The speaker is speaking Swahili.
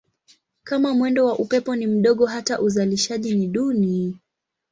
Kama mwendo wa upepo ni mdogo hata uzalishaji ni duni.